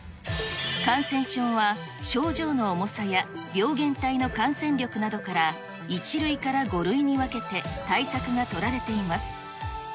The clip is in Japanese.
感染症は、症状の重さや病原体の感染力などから、１類から５類に分けて対策が取られています。